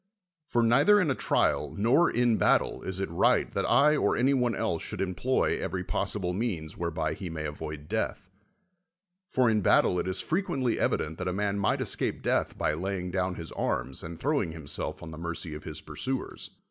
For neither in a trial nor in battle is it riglit that I or any one else should employ every possible means whereby he may avoid death ; for in battle it is frequently evident that a man might escape death by lay ing down his arms and throwing himself on the mercy of his pursuers.